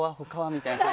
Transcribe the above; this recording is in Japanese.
みたいな。